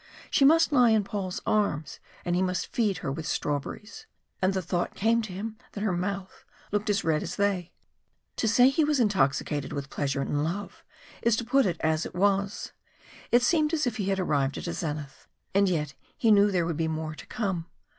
She must lie in Paul's arms, and he must feed her with strawberries. And the thought came to him that her mouth looked as red as they. To say he was intoxicated with pleasure and love is to put it as it was. It seemed as if he had arrived at a zenith, and yet he knew there would be more to come.